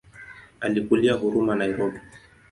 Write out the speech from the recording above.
Alikulia Huruma Nairobi.